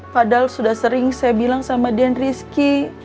padahal sudah sering saya bilang sama dan rizky